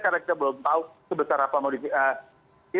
karena kita belum tahu sebesar apa modifikasi